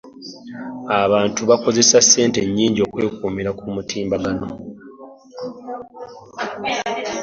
abantu bakozesa ssente nnyingi okwekuumira ku mutimbagano.